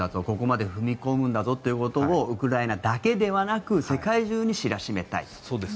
ここまで踏み込むんだぞということをウクライナだけではなく世界中に知らしめたい。